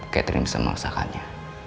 catherine bisa mengaksakannya